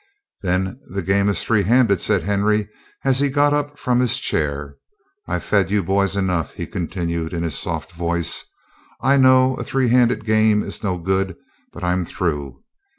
"Then the game is three handed," said Henry as he got up from his chair. "I've fed you boys enough," he continued in his soft voice. "I know a three handed game is no good, but I'm through.